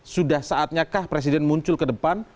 sudah saatnya kah presiden muncul ke depan